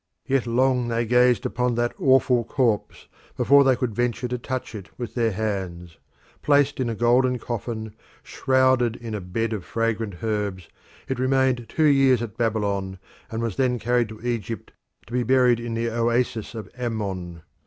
Yet long they gazed upon that awful corpse before they could venture to touch it with their hands. Placed in a golden coffin, shrouded in a bed of fragrant herbs, it remained two years at Babylon, and was then carried to Egypt to be buried in the oasis of Ammon.